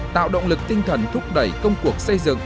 tạo động lực tinh thần thúc đẩy công cuộc xây dựng